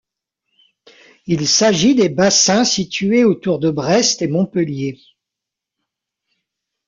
Il s'agit des bassins situés autour de Brest et Montpellier.